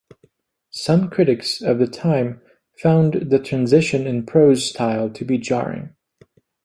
Some critics of the time found the transition in prose style to be jarring.